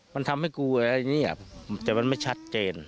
มันทำให้กูอะไรอย่างนี้แต่มันไม่ชัดเจน